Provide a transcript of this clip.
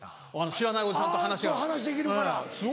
知らないおじさんと話が。と話できるから。